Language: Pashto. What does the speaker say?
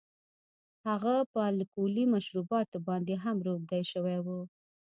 هغه په الکولي مشروباتو باندې هم روږدی شوی و